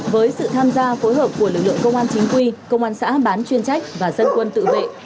với sự tham gia phối hợp của lực lượng công an chính quy công an xã bán chuyên trách và dân quân tự vệ